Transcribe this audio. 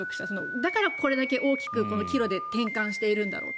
だからこれだけ大きく岐路で転換しているんだろうと。